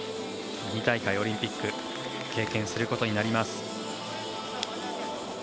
２大会オリンピック経験することになります。